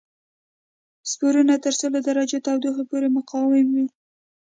سپورونه تر سلو درجو تودوخه پورې مقاوم وي.